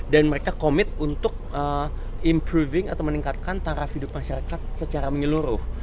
dan mereka komit untuk improving atau meningkatkan taraf hidup masyarakat secara menyeluruh